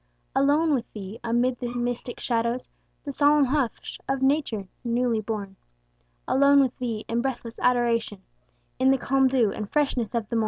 Alone with Thee, amid the mystic shadows, The solemn hush of nature newly born; Alone with Thee in breathless adoration, In the calm dew and freshness of the morn.